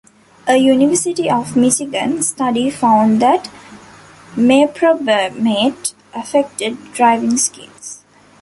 A University of Michigan study found that meprobamate affected driving skills.